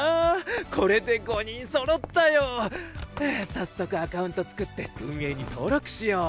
早速アカウント作って運営に登録しよう。